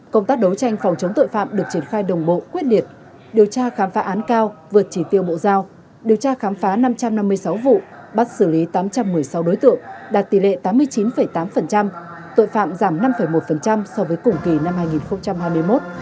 công tác đấu tranh phòng chống tội phạm được triển khai đồng bộ quyết liệt điều tra khám phá án cao vượt chỉ tiêu bộ giao điều tra khám phá năm trăm năm mươi sáu vụ bắt xử lý tám trăm một mươi sáu đối tượng đạt tỷ lệ tám mươi chín tám tội phạm giảm năm một so với cùng kỳ năm hai nghìn hai mươi một